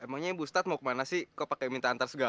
loh emangnya bu ustadz mau ke mana sih kok pakai minta antar segala